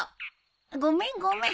ごめんごめん。